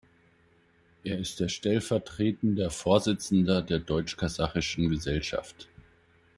Er ist der stellvertretender Vorsitzender der Deutsch-Kasachischen Gesellschaft.